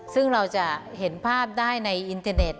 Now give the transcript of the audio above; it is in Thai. ซึ่งเราจะเห็นภาพได้ในอินเทอร์เน็ต